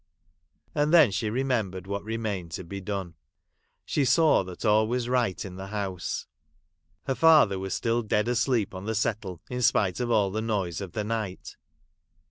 And then she remembered what remained to be done. She saw that all was right in the house ; her father was still dead asleep on the settle, in spite of all the noise of the night.